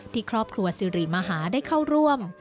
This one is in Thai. ที่ครอบครัวสิริมหาได้เข้าร่วม